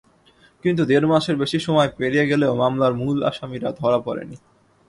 কিন্তু দেড় মাসের বেশি সময় পেরিয়ে গেলেও মামলার মূল আসামিরা ধরা পড়েনি।